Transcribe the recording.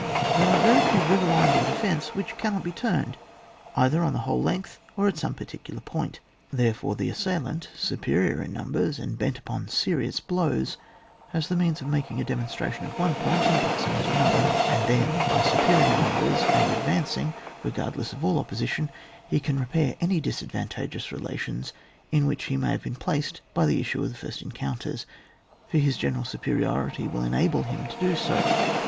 There are very few river lines of defence which cannot be turned either on the whole length or at some particular point. Therefore the assailant, superior in ntimbers and bent upon serious blows, has the means of making a demonstra tion at one point and passing at another, and then by superior numbers, and ad vancing, regardless of all opposition, he can repair any disadvantageous relations in which he may have been placed by the issue of the first encounters : for his general superiority will enable him to do so.